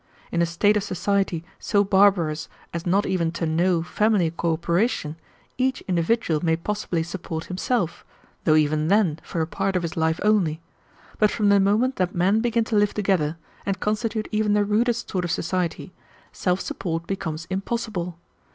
In a state of society so barbarous as not even to know family cooperation, each individual may possibly support himself, though even then for a part of his life only; but from the moment that men begin to live together, and constitute even the rudest sort of society, self support becomes impossible.